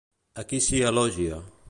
A qui s'hi elogia?